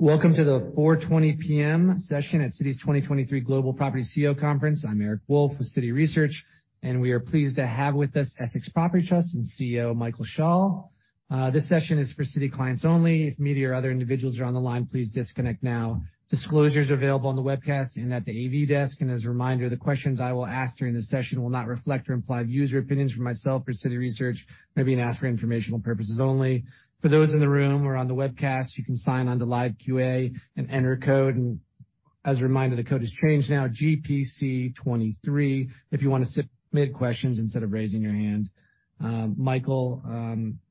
Welcome to the 4:20 P.M. session at Citi 2023 Global Property CEO Conference. I'm Eric Wolfe with Citi Research, and we are pleased to have with us Essex Property Trust and CEO Michael Schall. This session is for Citi clients only. If media or other individuals are on the line, please disconnect now. Disclosures are available on the webcast and at the AV desk. As a reminder, the questions I will ask during this session will not reflect or imply views or opinions from myself or Citi Research. They're being asked for informational purposes only. For those in the room or on the webcast, you can sign on to Live QA and enter a code. As a reminder, the code has changed now to GPC23 if you want to submit questions instead of raising your hand. Michael,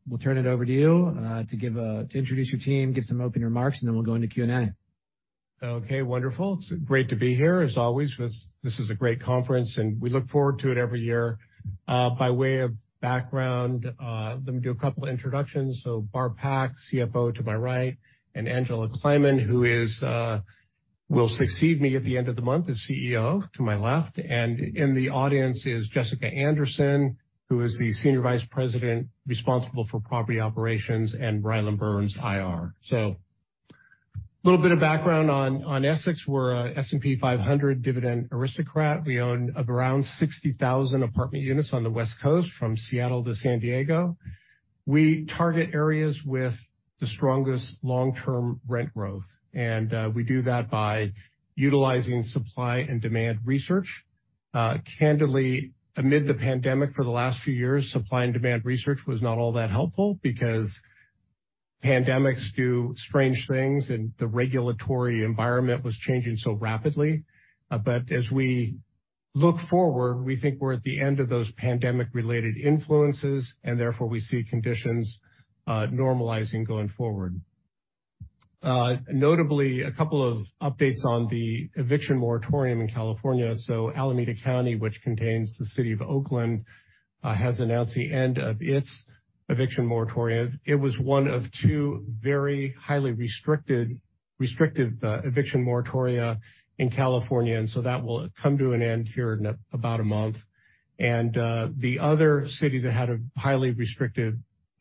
we'll turn it over to you to introduce your team, give some open remarks, and then we'll go into Q&A. Okay, wonderful. It's great to be here as always. This is a great conference, and we look forward to it every year. By way of background, let me do a couple of introductions. So Barb Pak, CFO to my right, and Angela Kleiman, who will succeed me at the end of the month as CEO to my left. And in the audience is Jessica Anderson, who is the Senior Vice President responsible for Property Operations and Rylan Burns IR. So a little bit of background on Essex. We're an S&P 500 Dividend Aristocrat. We own around 60,000 apartment units on the West Coast from Seattle to San Diego. We target areas with the strongest long-term rent growth, and we do that by utilizing supply and demand research. Candidly, amid the pandemic for the last few years, supply and demand research was not all that helpful because pandemics do strange things, and the regulatory environment was changing so rapidly. But as we look forward, we think we're at the end of those pandemic-related influences, and therefore we see conditions normalizing going forward. Notably, a couple of updates on the eviction moratorium in California. So Alameda County, which contains the city of Oakland, has announced the end of its eviction moratorium. It was one of two very highly restrictive eviction moratoria in California, and so that will come to an end here in about a month. And the other city that had a highly restrictive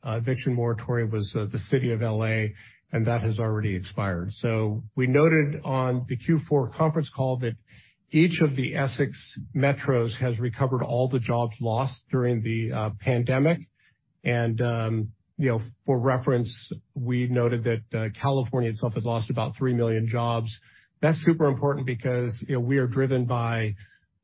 eviction moratoria was the city of L.A., and that has already expired. We noted on the Q4 conference call that each of the Essex metros has recovered all the jobs lost during the pandemic. And for reference, we noted that California itself had lost about 3 million jobs. That's super important because we are driven by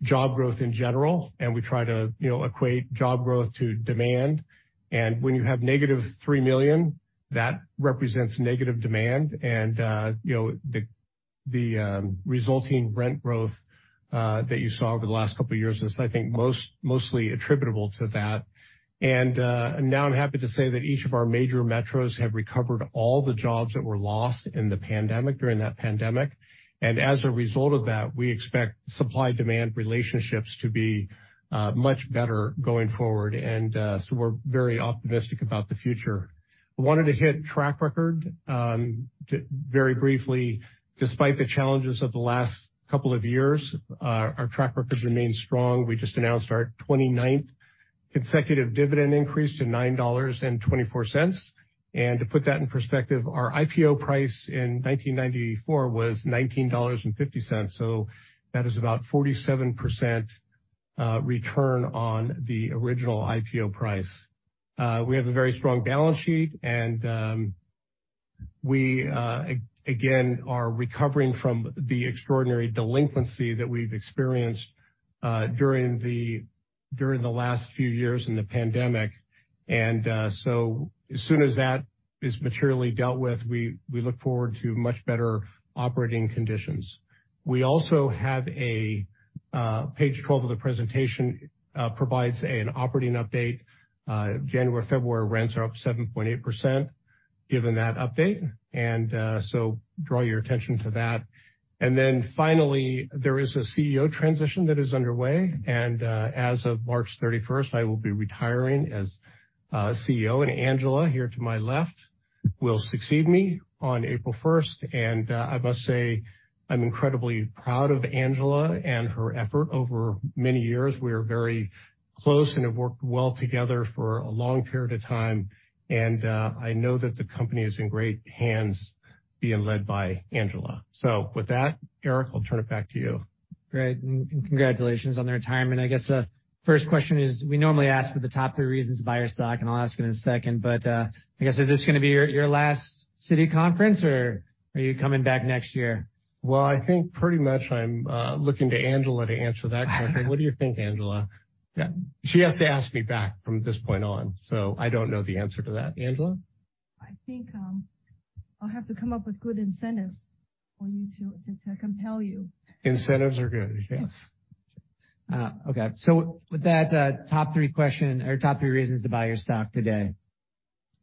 job growth in general, and we try to equate job growth to demand. And when you have negative 3 million, that represents negative demand. And the resulting rent growth that you saw over the last couple of years is, I think, mostly attributable to that. And now I'm happy to say that each of our major metros have recovered all the jobs that were lost during that pandemic. And as a result of that, we expect supply-demand relationships to be much better going forward. And so we're very optimistic about the future. I wanted to hit track record very briefly. Despite the challenges of the last couple of years, our track record remains strong. We just announced our 29th consecutive dividend increase to $9.24, and to put that in perspective, our IPO price in 1994 was $19.50, so that is about a 47% return on the original IPO price. We have a very strong balance sheet, and we, again, are recovering from the extraordinary delinquency that we've experienced during the last few years in the pandemic, and so as soon as that is materially dealt with, we look forward to much better operating conditions. We also have a page 12 of the presentation provides an operating update. January-February rents are up 7.8% given that update, and so draw your attention to that, and then finally, there is a CEO transition that is underway, and as of March 31st, I will be retiring as CEO. Angela here to my left will succeed me on April 1st. I must say I'm incredibly proud of Angela and her effort over many years. We are very close and have worked well together for a long period of time. I know that the company is in great hands being led by Angela. With that, Eric, I'll turn it back to you. Great. And congratulations on the retirement. I guess the first question is we normally ask for the top three reasons to buy your stock, and I'll ask it in a second. But I guess is this going to be your last Citi conference, or are you coming back next year? Well, I think pretty much I'm looking to Angela to answer that question. What do you think, Angela? She has to ask me back from this point on. So I don't know the answer to that. Angela? I think I'll have to come up with good incentives for you to compel you. Incentives are good. Yes. Okay. So with that top three question or top three reasons to buy your stock today.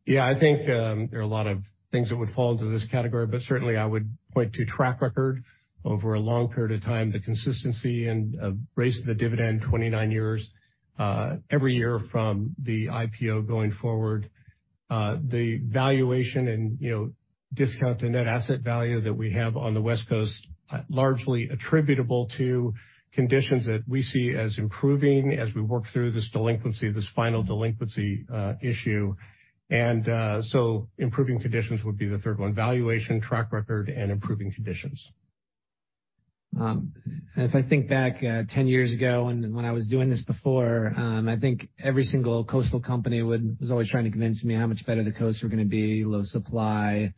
Yeah, I think there are a lot of things that would fall into this category, but certainly I would point to track record over a long period of time, the consistency and raise the dividend 29 years every year from the IPO going forward. The valuation and discount to net asset value that we have on the West Coast is largely attributable to conditions that we see as improving as we work through this delinquency, this final delinquency issue, and so improving conditions would be the third one: valuation, track record, and improving conditions. If I think back 10 years ago and when I was doing this before, I think every single coastal company was always trying to convince me how much better the coasts were going to be: low supply,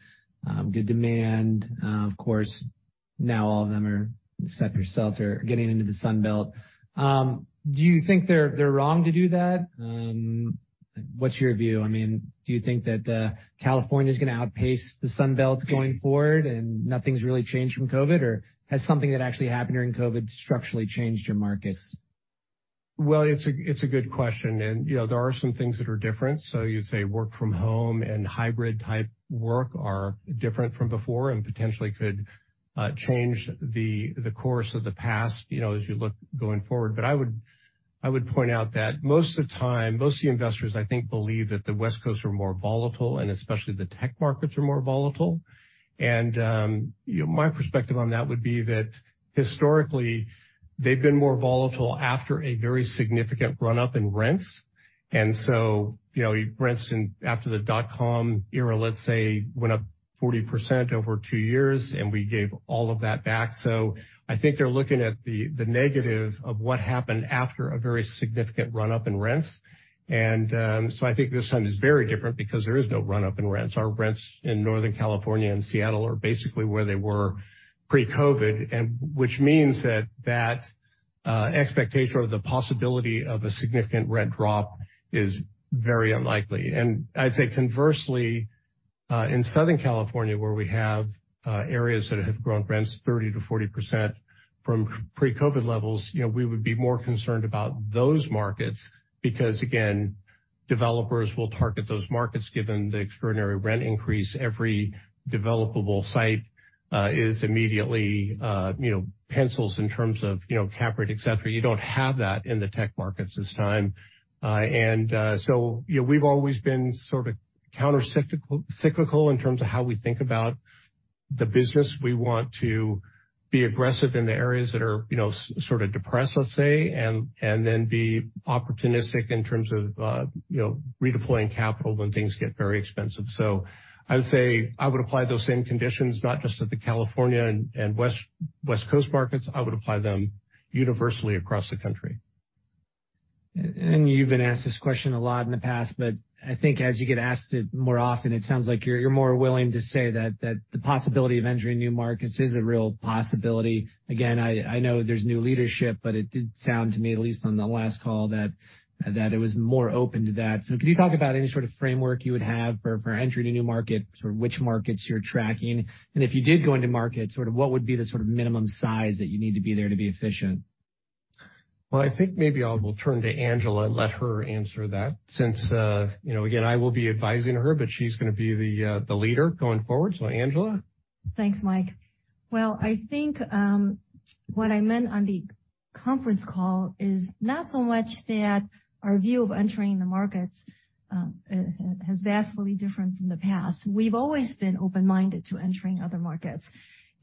good demand. Of course, now all of them, except yourselves, are getting into the Sunbelt. Do you think they're wrong to do that? What's your view? I mean, do you think that California is going to outpace the Sunbelt going forward and nothing's really changed from COVID, or has something that actually happened during COVID structurally changed your markets? It's a good question. There are some things that are different. You'd say work from home and hybrid-type work are different from before and potentially could change the course of the past as you look going forward. I would point out that most of the time, most of the investors, I think, believe that the West Coast are more volatile, and especially the tech markets are more volatile. My perspective on that would be that historically, they've been more volatile after a very significant run-up in rents. Rents after the dot-com era, let's say, went up 40% over two years, and we gave all of that back. I think they're looking at the negative of what happened after a very significant run-up in rents. I think this time is very different because there is no run-up in rents. Our rents in Northern California and Seattle are basically where they were pre-COVID, which means that that expectation or the possibility of a significant rent drop is very unlikely. And I'd say conversely, in Southern California, where we have areas that have grown rents 30%-40% from pre-COVID levels, we would be more concerned about those markets because, again, developers will target those markets given the extraordinary rent increase. Every developable site is immediately pencils out in terms of cap rate, etc. You don't have that in the tech markets this time. And so we've always been sort of countercyclical in terms of how we think about the business. We want to be aggressive in the areas that are sort of depressed, let's say, and then be opportunistic in terms of redeploying capital when things get very expensive. So I would say I would apply those same conditions, not just to the California and West Coast markets. I would apply them universally across the country. You've been asked this question a lot in the past, but I think as you get asked it more often, it sounds like you're more willing to say that the possibility of entering new markets is a real possibility. Again, I know there's new leadership, but it did sound to me, at least on the last call, that it was more open to that. So can you talk about any sort of framework you would have for entry to a new market, sort of which markets you're tracking? And if you did go into markets, sort of what would be the sort of minimum size that you need to be there to be efficient? I think maybe I will turn to Angela and let her answer that since, again, I will be advising her, but she's going to be the leader going forward. So, Angela. Thanks, Mike. I think what I meant on the conference call is not so much that our view of entering the markets has been absolutely different from the past. We've always been open-minded to entering other markets.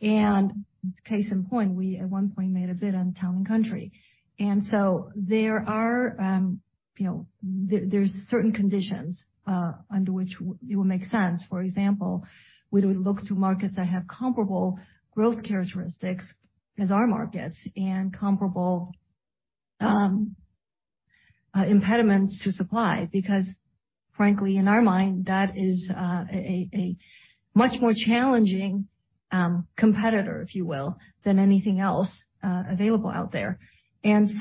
Case in point, we at one point made a bid on Town & Country. There are certain conditions under which it would make sense. For example, we would look to markets that have comparable growth characteristics as our markets and comparable impediments to supply because, frankly, in our mind, that is a much more challenging competitor, if you will, than anything else available out there. The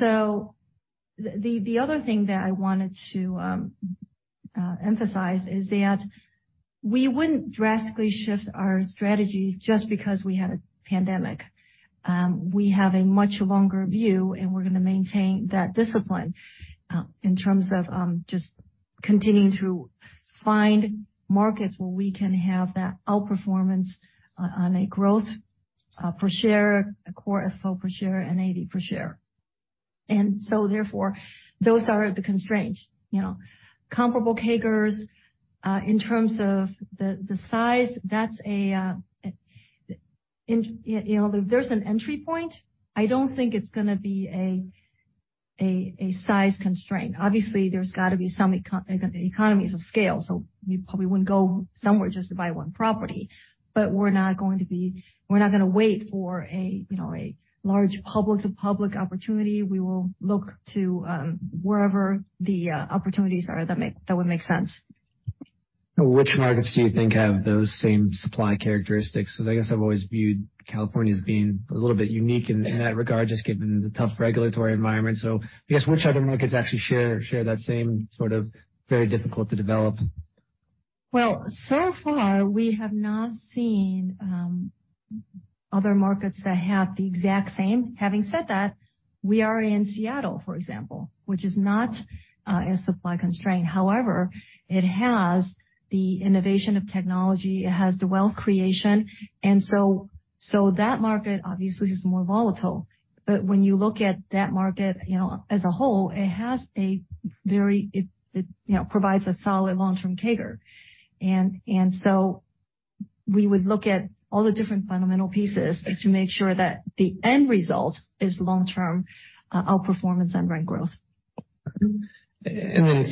other thing that I wanted to emphasize is that we wouldn't drastically shift our strategy just because we had a pandemic. We have a much longer view, and we're going to maintain that discipline in terms of just continuing to find markets where we can have that outperformance on a growth per share, a core FFO per share, and NAV per share. So therefore, those are the constraints. Comparable CAGRs in terms of the size, there's an entry point. I don't think it's going to be a size constraint. Obviously, there's got to be some economies of scale. So we probably wouldn't go somewhere just to buy one property. But we're not going to wait for a large public-to-public opportunity. We will look to wherever the opportunities are that would make sense. Which markets do you think have those same supply characteristics? Because I guess I've always viewed California as being a little bit unique in that regard, just given the tough regulatory environment. So I guess which other markets actually share that same sort of very difficult to develop? So far, we have not seen other markets that have the exact same. Having said that, we are in Seattle, for example, which is not a supply constraint. However, it has the innovation of technology. It has the wealth creation. And so that market, obviously, is more volatile. But when you look at that market as a whole, it has a very it provides a solid long-term CAGR. And so we would look at all the different fundamental pieces to make sure that the end result is long-term outperformance and rent growth. Then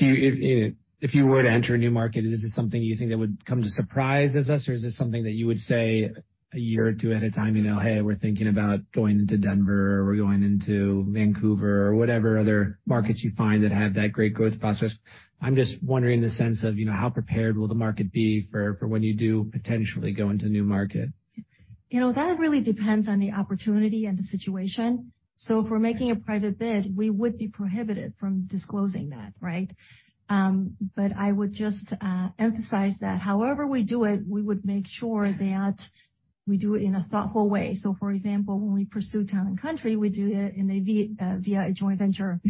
if you were to enter a new market, is this something you think that would come as a surprise to us, or is this something that you would say a year or two at a time, "Hey, we're thinking about going into Denver, or we're going into Vancouver," or whatever other markets you find that have that great growth process? I'm just wondering in the sense of how prepared will the market be for when you do potentially go into a new market? That really depends on the opportunity and the situation. So if we're making a private bid, we would be prohibited from disclosing that, right? But I would just emphasize that however we do it, we would make sure that we do it in a thoughtful way. So for example, when we pursue Town & Country, we do it via a joint venture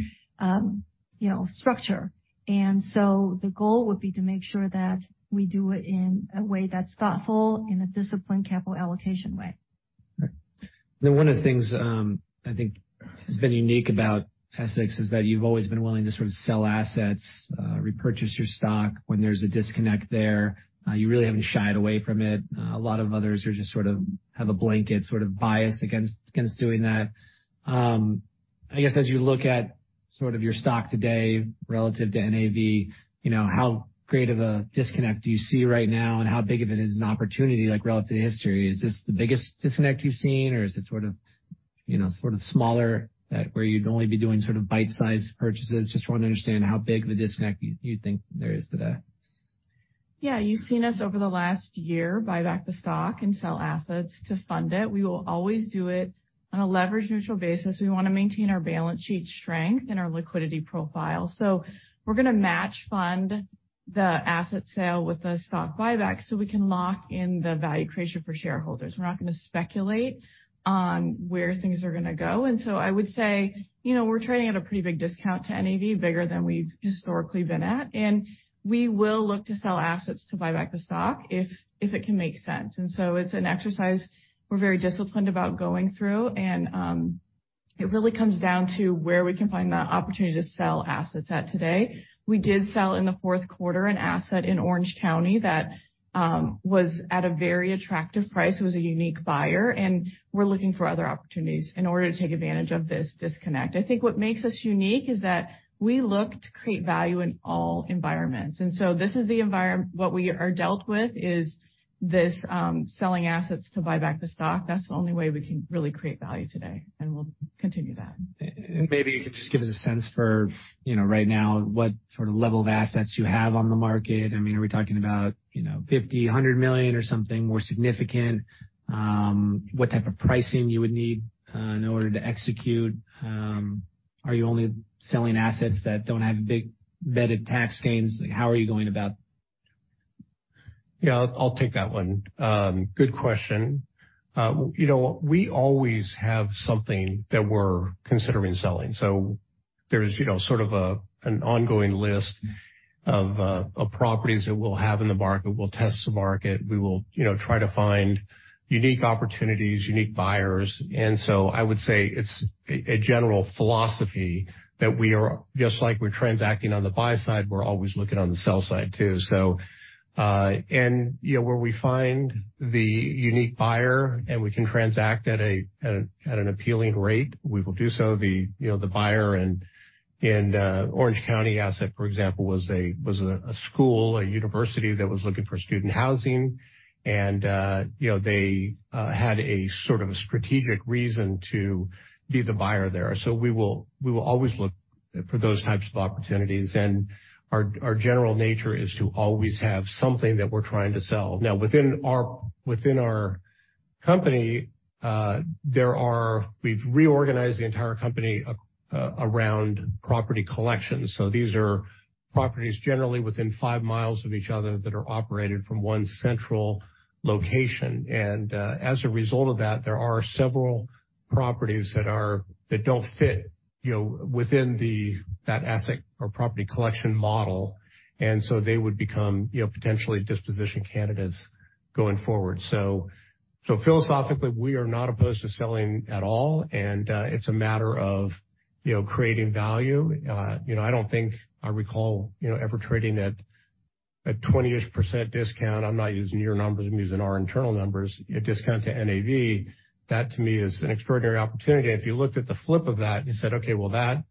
structure. And so the goal would be to make sure that we do it in a way that's thoughtful in a disciplined capital allocation way. One of the things I think has been unique about Essex is that you've always been willing to sort of sell assets, repurchase your stock when there's a disconnect there. You really haven't shied away from it. A lot of others just sort of have a blanket sort of bias against doing that. I guess as you look at sort of your stock today relative to NAV, how great of a disconnect do you see right now, and how big of it is an opportunity relative to history? Is this the biggest disconnect you've seen, or is it sort of smaller where you'd only be doing sort of bite-sized purchases? Just want to understand how big of a disconnect you think there is today. Yeah. You've seen us over the last year buy back the stock and sell assets to fund it. We will always do it on a leveraged neutral basis. We want to maintain our balance sheet strength and our liquidity profile. So we're going to match fund the asset sale with the stock buyback so we can lock in the value creation for shareholders. We're not going to speculate on where things are going to go. And so I would say we're trading at a pretty big discount to NAV, bigger than we've historically been at. And we will look to sell assets to buy back the stock if it can make sense. And so it's an exercise we're very disciplined about going through. And it really comes down to where we can find the opportunity to sell assets at today. We did sell in the fourth quarter an asset in Orange County that was at a very attractive price. It was a unique buyer. And we're looking for other opportunities in order to take advantage of this disconnect. I think what makes us unique is that we look to create value in all environments. And so this is the environment what we are dealt with is this selling assets to buy back the stock. That's the only way we can really create value today. And we'll continue that. Maybe you could just give us a sense for right now what sort of level of assets you have on the market. I mean, are we talking about $50 million-$100 million, or something more significant? What type of pricing you would need in order to execute? Are you only selling assets that don't have big embedded tax gains? How are you going about? Yeah, I'll take that one. Good question. We always have something that we're considering selling. So there's sort of an ongoing list of properties that we'll have in the market. We'll test the market. We will try to find unique opportunities, unique buyers. And so I would say it's a general philosophy that we are just like we're transacting on the buy side, we're always looking on the sell side too. And where we find the unique buyer and we can transact at an appealing rate, we will do so. The buyer in Orange County asset, for example, was a school, a university that was looking for student housing. And they had a sort of a strategic reason to be the buyer there. So we will always look for those types of opportunities. And our general nature is to always have something that we're trying to sell. Now, within our company, we've reorganized the entire company around property collections. So these are properties generally within five miles of each other that are operated from one central location. And as a result of that, there are several properties that don't fit within that asset or property collection model. And so they would become potentially disposition candidates going forward. So philosophically, we are not opposed to selling at all. And it's a matter of creating value. I don't think I recall ever trading at a 20-ish% discount. I'm not using your numbers. I'm using our internal numbers. A discount to NAV, that to me is an extraordinary opportunity. If you looked at the flip of that, you said, "Okay, well, that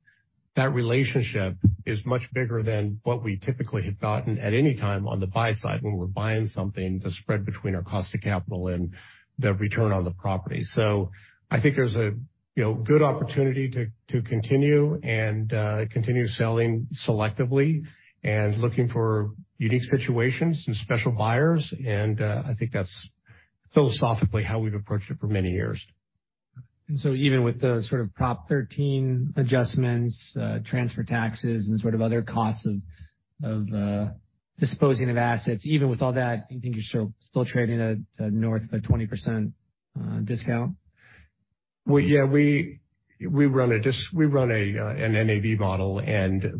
relationship is much bigger than what we typically have gotten at any time on the buy side when we're buying something, the spread between our cost of capital and the return on the property." So I think there's a good opportunity to continue and continue selling selectively and looking for unique situations and special buyers. I think that's philosophically how we've approached it for many years. And so even with the sort of Prop 13 adjustments, transfer taxes, and sort of other costs of disposing of assets, even with all that, you think you're still trading at a north of a 20% discount? Yeah, we run an NAV model.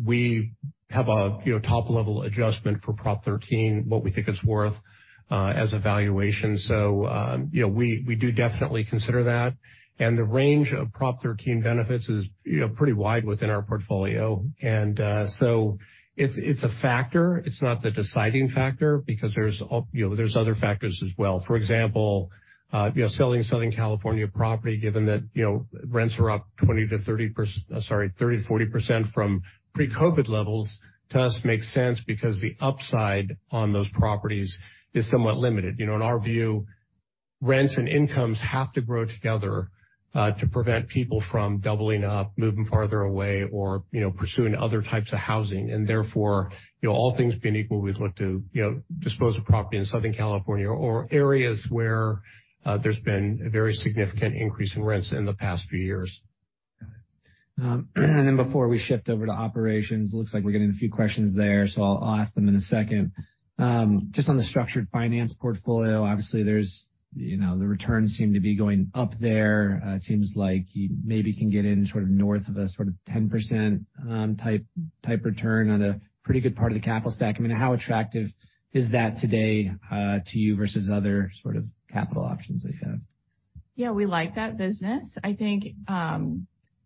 We have a top-level adjustment for Prop 13, what we think it's worth as a valuation. We do definitely consider that. The range of Prop 13 benefits is pretty wide within our portfolio. It's a factor. It's not the deciding factor because there's other factors as well. For example, selling Southern California property, given that rents are up 20%-30%, sorry, 30%-40% from pre-COVID levels, to us makes sense because the upside on those properties is somewhat limited. In our view, rents and incomes have to grow together to prevent people from doubling up, moving farther away, or pursuing other types of housing. Therefore, all things being equal, we'd look to dispose of property in Southern California or areas where there's been a very significant increase in rents in the past few years. Got it. And then before we shift over to operations, it looks like we're getting a few questions there. So I'll ask them in a second. Just on the structured finance portfolio, obviously, the returns seem to be going up there. It seems like you maybe can get in sort of north of a sort of 10% type return on a pretty good part of the capital stack. I mean, how attractive is that today to you versus other sort of capital options that you have? Yeah, we like that business. I think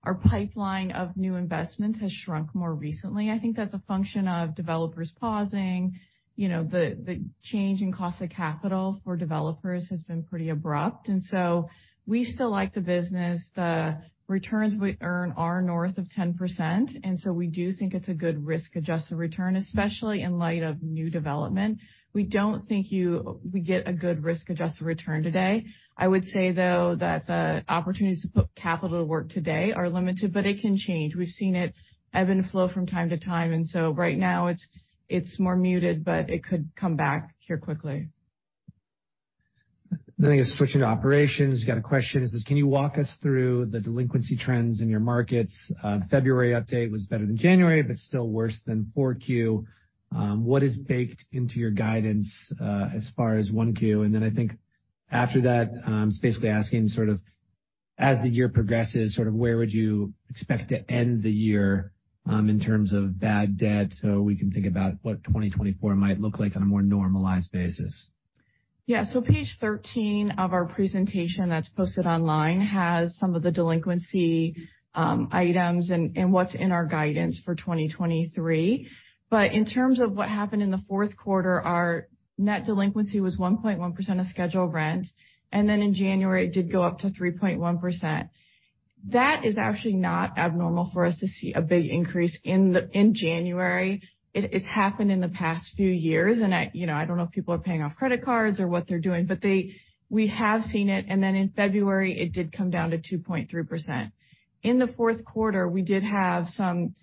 our pipeline of new investments has shrunk more recently. I think that's a function of developers pausing. The change in cost of capital for developers has been pretty abrupt. And so we still like the business. The returns we earn are north of 10%. And so we do think it's a good risk-adjusted return, especially in light of new development. We don't think we get a good risk-adjusted return today. I would say, though, that the opportunities to put capital to work today are limited, but it can change. We've seen it ebb and flow from time to time. And so right now, it's more muted, but it could come back here quickly. I think switching to operations, you got a question. It says, "Can you walk us through the delinquency trends in your markets? February update was better than January, but still worse than 4Q. What is baked into your guidance as far as 1Q?" And then I think after that, it's basically asking sort of, as the year progresses, sort of where would you expect to end the year in terms of bad debt so we can think about what 2024 might look like on a more normalized basis? Yeah, so page 13 of our presentation that's posted online has some of the delinquency items and what's in our guidance for 2023, but in terms of what happened in the fourth quarter, our net delinquency was 1.1% of scheduled rent, and then in January, it did go up to 3.1%. That is actually not abnormal for us to see a big increase in January. It's happened in the past few years, and I don't know if people are paying off credit cards or what they're doing, but we have seen it, and then in February, it did come down to 2.3%. In the fourth quarter, we did have some,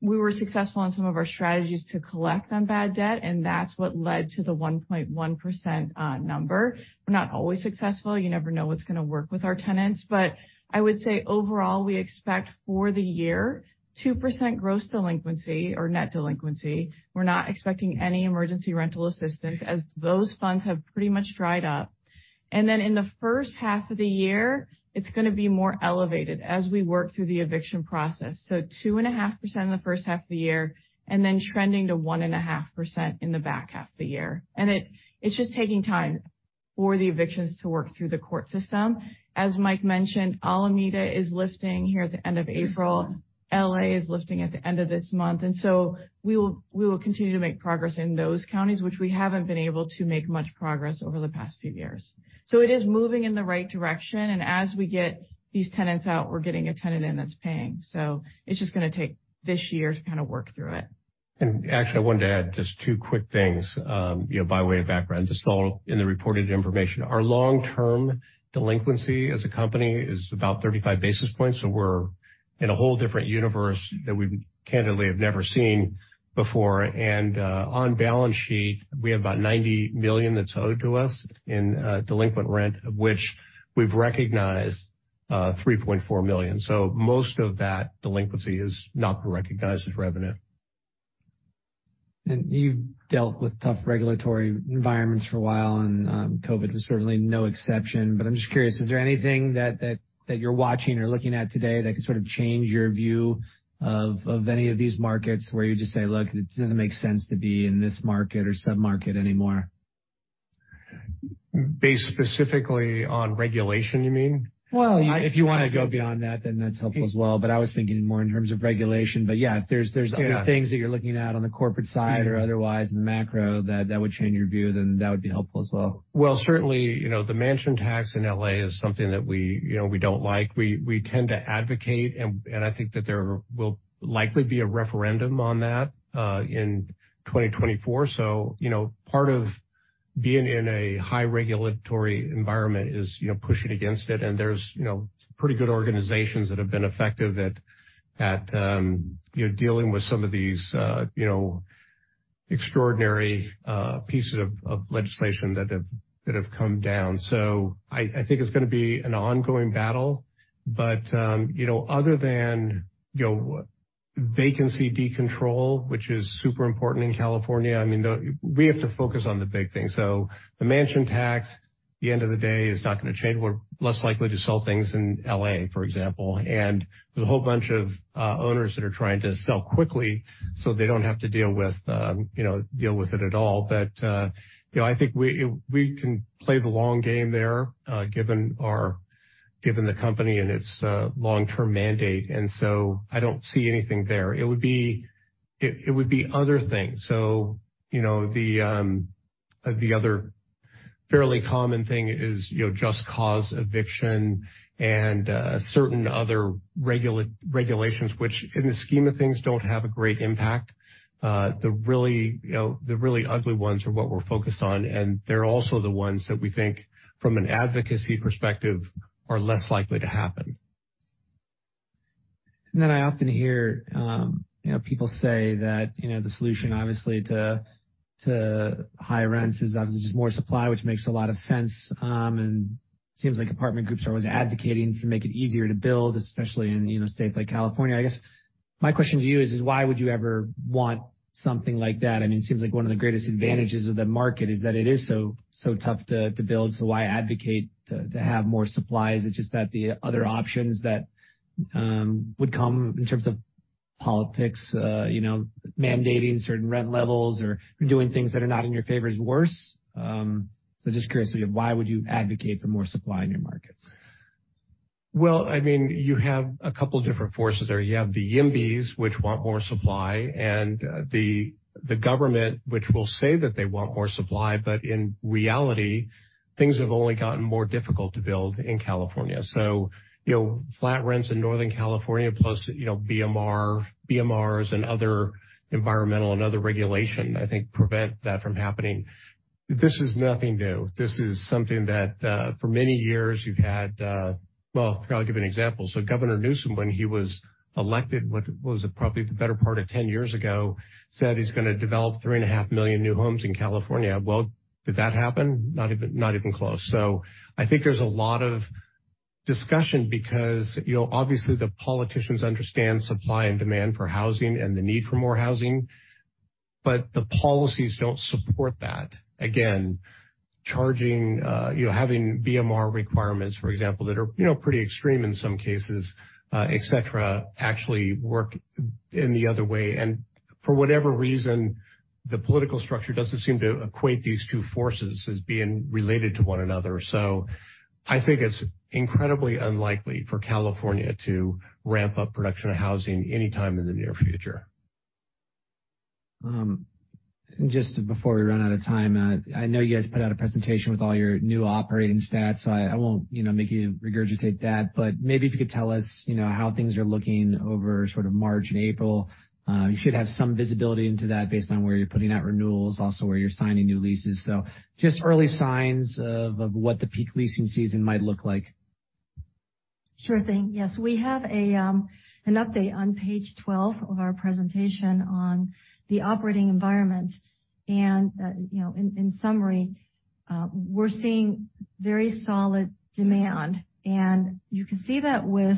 we were successful in some of our strategies to collect on bad debt, and that's what led to the 1.1% number. We're not always successful. You never know what's going to work with our tenants. But I would say overall, we expect for the year, 2% gross delinquency or net delinquency. We're not expecting any emergency rental assistance as those funds have pretty much dried up. And then in the first half of the year, it's going to be more elevated as we work through the eviction process. So 2.5% in the first half of the year, and then trending to 1.5% in the back half of the year. And it's just taking time for the evictions to work through the court system. As Mike mentioned, Alameda is lifting here at the end of April. L.A. is lifting at the end of this month. And so we will continue to make progress in those counties, which we haven't been able to make much progress over the past few years. So it is moving in the right direction. As we get these tenants out, we're getting a tenant in that's paying. It's just going to take this year to kind of work through it. Actually, I wanted to add just two quick things by way of background. This is all in the reported information. Our long-term delinquency as a company is about 35 basis points. So we're in a whole different universe that we candidly have never seen before. And on balance sheet, we have about $90 million that's owed to us in delinquent rent, of which we've recognized $3.4 million. So most of that delinquency is not recognized as revenue. You've dealt with tough regulatory environments for a while. And COVID was certainly no exception. But I'm just curious, is there anything that you're watching or looking at today that could sort of change your view of any of these markets where you just say, "Look, it doesn't make sense to be in this market or sub-market anymore"? Based specifically on regulation, you mean? If you want to go beyond that, then that's helpful as well. I was thinking more in terms of regulation. Yeah, if there's other things that you're looking at on the corporate side or otherwise in the macro that would change your view, then that would be helpful as well. Certainly, the mansion tax in L.A. is something that we don't like. We tend to advocate, and I think that there will likely be a referendum on that in 2024, so part of being in a high regulatory environment is pushing against it, and there's pretty good organizations that have been effective at dealing with some of these extraordinary pieces of legislation that have come down, so I think it's going to be an ongoing battle, but other than vacancy decontrol, which is super important in California, I mean, we have to focus on the big things, so the mansion tax, at the end of the day, is not going to change. We're less likely to sell things in L.A., for example. And there's a whole bunch of owners that are trying to sell quickly so they don't have to deal with it at all. But I think we can play the long game there given the company and its long-term mandate. And so I don't see anything there. It would be other things. So the other fairly common thing is just cause eviction and certain other regulations, which in the scheme of things don't have a great impact. The really ugly ones are what we're focused on. And they're also the ones that we think, from an advocacy perspective, are less likely to happen. And then I often hear people say that the solution, obviously, to high rents is obviously just more supply, which makes a lot of sense. And it seems like apartment groups are always advocating to make it easier to build, especially in states like California. I guess my question to you is, why would you ever want something like that? I mean, it seems like one of the greatest advantages of the market is that it is so tough to build. So why advocate to have more supplies? It's just that the other options that would come in terms of politics, mandating certain rent levels or doing things that are not in your favor is worse. So just curious, why would you advocate for more supply in your markets? I mean, you have a couple of different forces there. You have the YIMBYs, which want more supply, and the government, which will say that they want more supply. But in reality, things have only gotten more difficult to build in California. Flat rents in Northern California plus BMRs and other environmental and other regulation, I think, prevent that from happening. This is nothing new. This is something that for many years you've had. Well, I'll give an example. Governor Newsom, when he was elected, what was probably the better part of 10 years ago, said he's going to develop 3.5 million new homes in California. Did that happen? Not even close. I think there's a lot of discussion because obviously, the politicians understand supply and demand for housing and the need for more housing. But the policies don't support that. Again, having BMR requirements, for example, that are pretty extreme in some cases, etc., actually work in the other way, and for whatever reason, the political structure doesn't seem to equate these two forces as being related to one another, so I think it's incredibly unlikely for California to ramp up production of housing anytime in the near future. Just before we run out of time, I know you guys put out a presentation with all your new operating stats. So I won't make you regurgitate that. But maybe if you could tell us how things are looking over sort of March and April. You should have some visibility into that based on where you're putting out renewals, also where you're signing new leases. So just early signs of what the peak leasing season might look like. Sure thing. Yes. We have an update on page 12 of our presentation on the operating environment. And in summary, we're seeing very solid demand. And you can see that with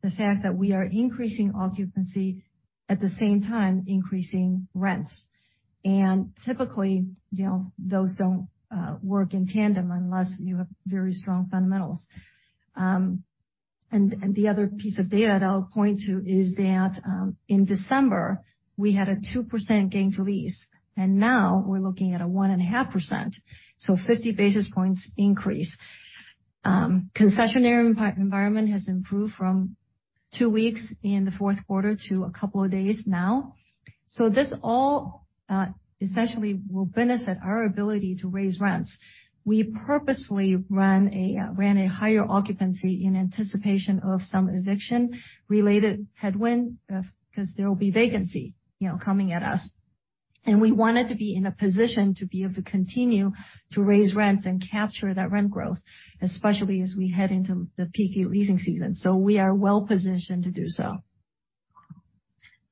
the fact that we are increasing occupancy at the same time increasing rents. And typically, those don't work in tandem unless you have very strong fundamentals. And the other piece of data that I'll point to is that in December, we had a 2% gain-to-lease. And now we're looking at a 1.5%. So 50 basis points increase. Concessionary environment has improved from two weeks in the fourth quarter to a couple of days now. So this all essentially will benefit our ability to raise rents. We purposefully ran a higher occupancy in anticipation of some eviction-related headwind because there will be vacancy coming at us. We wanted to be in a position to be able to continue to raise rents and capture that rent growth, especially as we head into the peak leasing season. We are well-positioned to do so.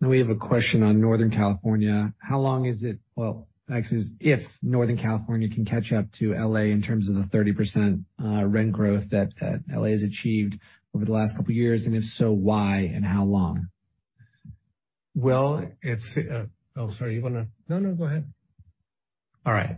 We have a question on Northern California. How long is it, well, actually, if Northern California can catch up to L.A. in terms of the 30% rent growth that L.A. has achieved over the last couple of years? If so, why and how long? Oh, sorry. You want to? No, no. Go ahead. All right.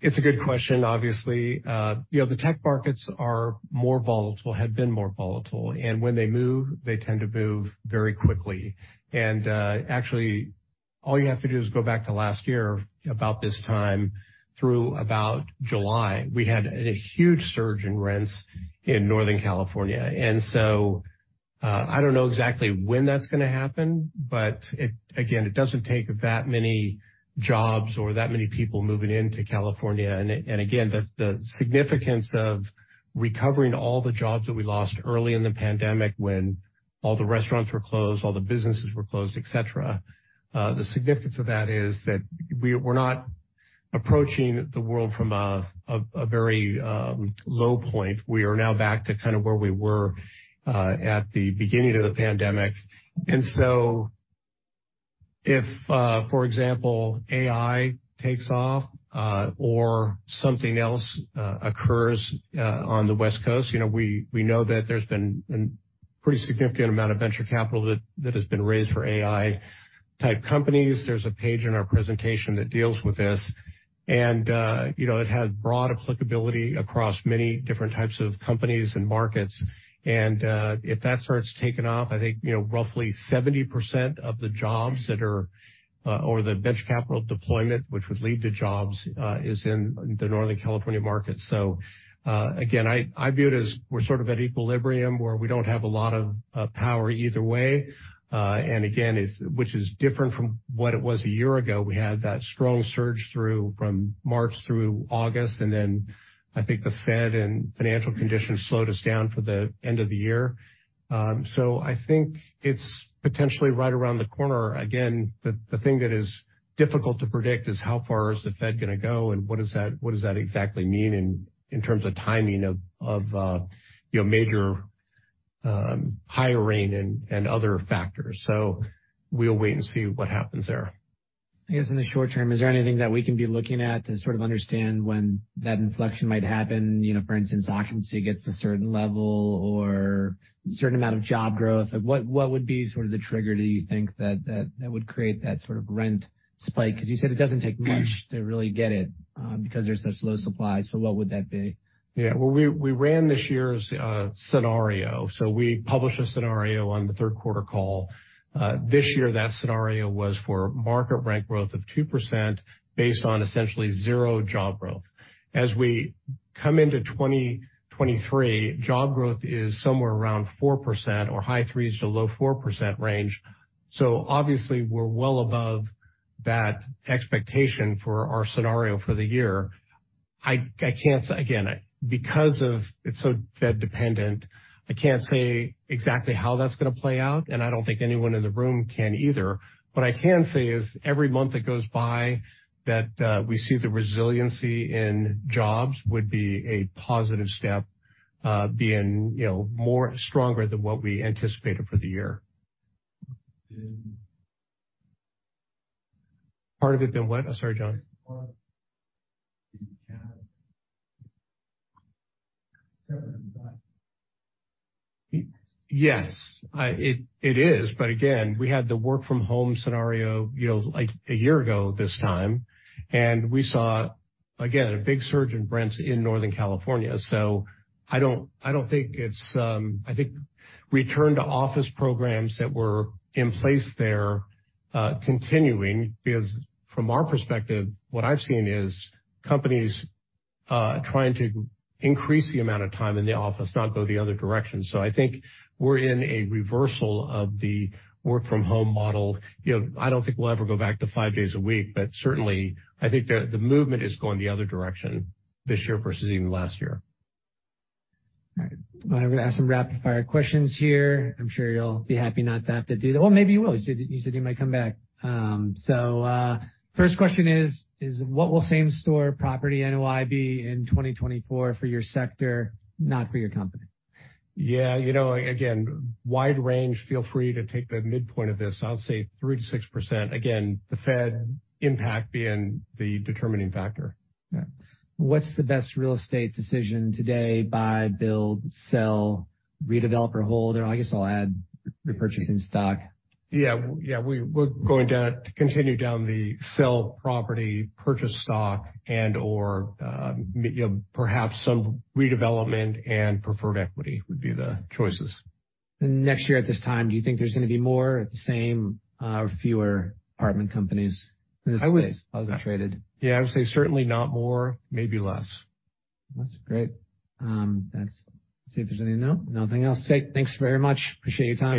It's a good question, obviously. The tech markets are more volatile, have been more volatile. And when they move, they tend to move very quickly. And actually, all you have to do is go back to last year about this time through about July. We had a huge surge in rents in Northern California. And so I don't know exactly when that's going to happen. But again, it doesn't take that many jobs or that many people moving into California. And again, the significance of recovering all the jobs that we lost early in the pandemic when all the restaurants were closed, all the businesses were closed, etc., the significance of that is that we're not approaching the world from a very low point. We are now back to kind of where we were at the beginning of the pandemic. And so if, for example, AI takes off or something else occurs on the West Coast, we know that there's been a pretty significant amount of venture capital that has been raised for AI-type companies. There's a page in our presentation that deals with this. And it has broad applicability across many different types of companies and markets. And if that starts taking off, I think roughly 70% of the jobs that are or the venture capital deployment, which would lead to jobs, is in the Northern California market. So again, I view it as we're sort of at equilibrium where we don't have a lot of power either way. And again, which is different from what it was a year ago. We had that strong surge from March through August. And then I think the Fed and financial conditions slowed us down for the end of the year. So I think it's potentially right around the corner. Again, the thing that is difficult to predict is how far is the Fed going to go and what does that exactly mean in terms of timing of major hiring and other factors. So we'll wait and see what happens there. I guess in the short term, is there anything that we can be looking at to sort of understand when that inflection might happen? For instance, occupancy gets to a certain level or a certain amount of job growth. What would be sort of the trigger do you think that would create that sort of rent spike? Because you said it doesn't take much to really get it because there's such low supply. So what would that be? Yeah. Well, we ran this year's scenario. So we published a scenario on the third quarter call. This year, that scenario was for market rent growth of 2% based on essentially zero job growth. As we come into 2023, job growth is somewhere around 4% or high 3s to low 4% range. So obviously, we're well above that expectation for our scenario for the year. Again, because it's so Fed-dependent, I can't say exactly how that's going to play out. And I don't think anyone in the room can either. But I can say is every month that goes by that we see the resiliency in jobs would be a positive step, being stronger than what we anticipated for the year. Part of it been what? I'm sorry, John. Yes, it is. But again, we had the work-from-home scenario like a year ago this time. And we saw, again, a big surge in rents in Northern California. So I don't think it's—I think return-to-office programs that were in place there continuing because from our perspective, what I've seen is companies trying to increase the amount of time in the office, not go the other direction. So I think we're in a reversal of the work-from-home model. I don't think we'll ever go back to five days a week. But certainly, I think the movement is going the other direction this year versus even last year. All right. I'm going to ask some rapid-fire questions here. I'm sure you'll be happy not to have to do that. Well, maybe you will. You said you might come back. So first question is, what will Same-Store Property NOI be in 2024 for your sector, not for your company? Yeah. Again, wide range, feel free to take the midpoint of this. I'll say 3%-6%. Again, the Fed impact being the determining factor. Yeah. What's the best real estate decision today? Buy, build, sell, redevelop, or hold? Or I guess I'll add repurchasing stock. Yeah. Yeah. We're going to continue down the sell property, purchase stock, and/or perhaps some redevelopment and preferred equity would be the choices. Next year at this time, do you think there's going to be more at the same or fewer apartment companies in this space? I would say. How's it traded? Yeah. I would say certainly not more, maybe less. That's great. Let's see if there's any—no. Nothing else. Great. Thanks very much. Appreciate your time.